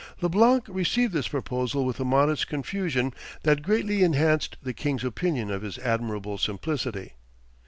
Leblanc received this proposal with a modest confusion that greatly enhanced the king's opinion of his admirable simplicity.